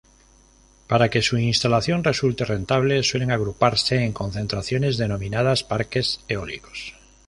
Para que su instalación resulte rentable, suelen agruparse en concentraciones denominadas parques eólicos.